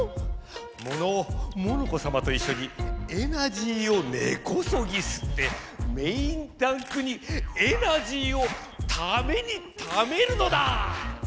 モノオモノコさまといっしょにエナジーをねこそぎすってメインタンクにエナジーをためにためるのだ！